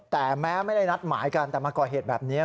แต่แม้ไม่ได้นัดหมายกันแต่มาก่อเหตุแบบนี้